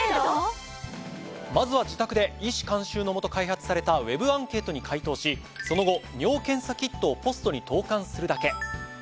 まずは自宅で医師監修のもと開発されたＷＥＢアンケートに回答しその後尿検査キットをポストに投函するだけ。